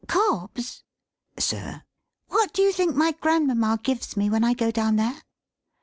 Cobbs!" "Sir." "What do you think my grandmamma gives me when I go down there?"